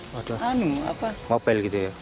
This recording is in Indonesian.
waduh ngopel gitu ya